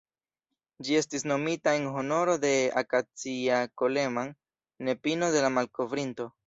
Ĝi estis nomita en honoro de "Acacia Coleman", nepino de la malkovrinto.